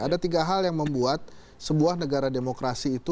ada tiga hal yang membuat sebuah negara demokrasi itu